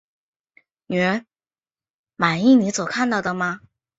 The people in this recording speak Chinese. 女人，满意你所看到的吗？